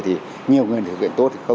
thì nhiều người thực hiện tốt